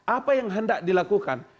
apa yang hendak dilakukan